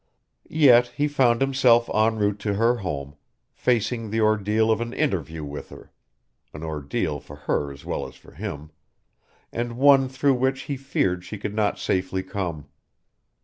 Yet he found himself en route to her home, facing the ordeal of an interview with her an ordeal for her as well as for him and one through which he feared she could not safely come.